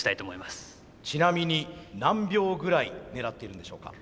ちなみに何秒ぐらい狙っているんでしょうか？